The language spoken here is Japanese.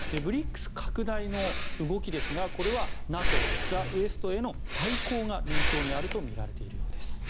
ＢＲＩＣＳ拡大後への動きですがこれはＮＡＴＯＴｈｅＷＥＳＴへの対抗が狙いにあるということです。